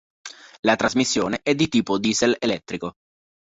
La trasmissione è di tipo diesel-elettrico.